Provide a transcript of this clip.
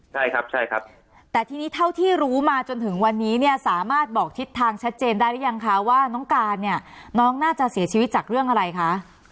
ใช่ครับใช่ครับแต่ทีนี้เท่าที่รู้มาจนถึงวันนี้เนี่ยสามารถบอกทิศทางชัดเจนได้หรือยังคะว่าน้องการเนี่ยน้องน่าจะเสียชีวิตจากเรื่องอะไรคะ